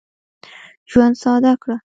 ژوند ساده کړه.